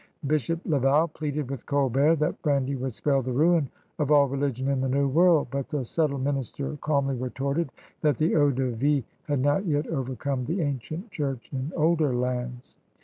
Bishop Laval pleaded with Colbert that brandy woidd spell the ruin of all religion in the new world, but the subtle minister calmly retorted that the eavrde ine had not yet over come the ancient church in older lands.